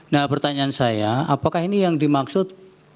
nah pertanyaan saya apakah ini yang dimaksud